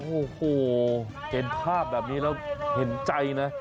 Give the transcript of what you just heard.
โอ้โหเห็นภาพแบบนี้แล้วเห็นใจนะ